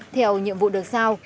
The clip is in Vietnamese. theo nhiệm vụ được sao